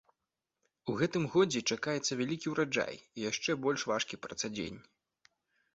У гэтым годзе чакаецца вялікі ўраджай і яшчэ больш важкі працадзень.